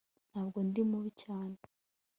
ntabwo ndi mubi cyane